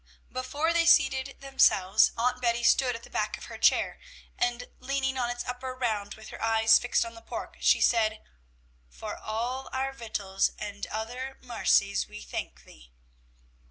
Before they seated themselves, Aunt Betty stood at the back of her chair, and, leaning on its upper round with her eyes fixed on the pork, she said, "For all our vittles and other marcies we thank Thee."